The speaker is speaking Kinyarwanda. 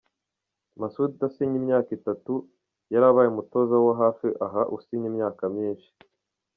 Masudi asinya imyaka itatu, yari abaye umutoza wo hafi aha usinya imyaka myinshi.